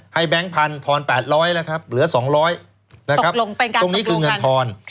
ให้แบงก์พันธุ์ทอน๘๐๐แล้วครับเหลือ๒๐๐ตรงนี้คือเงินทอน